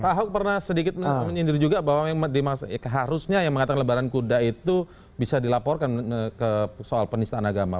pak ahok pernah sedikit menyindir juga bahwa harusnya yang mengatakan lebaran kuda itu bisa dilaporkan ke soal penistaan agama